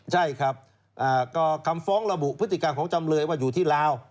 ใช่ครับก็คำฟ้องระบุพฤติกรรมของจำเลยว่าอยู่ที่ลาว